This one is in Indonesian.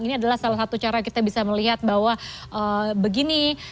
ini adalah salah satu cara kita bisa melihat bahwa begini